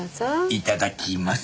いただきます。